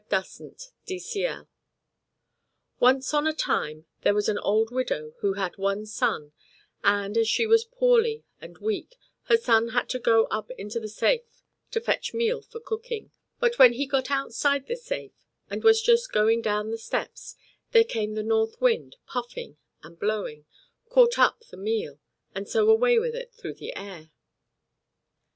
III THE LAD WHO WENT TO THE NORTH WIND Once on a time there was an old widow who had one son and, as she was poorly and weak, her son had to go up into the safe to fetch meal for cooking; but when he got outside the safe, and was just going down the steps, there came the North Wind, puffing and blowing, caught up the meal, and so away with it through the air.